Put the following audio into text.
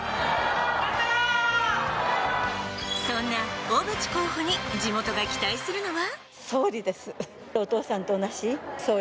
そんな小渕候補に、地元が期待するのは？